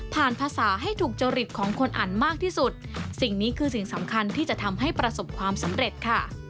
ภาษาให้ถูกจริตของคนอ่านมากที่สุดสิ่งนี้คือสิ่งสำคัญที่จะทำให้ประสบความสำเร็จค่ะ